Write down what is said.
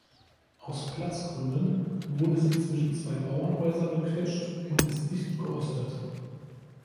Aus Platzgründen wurde sie zwischen zwei Bauernhäuser gequetscht und ist nicht geostet.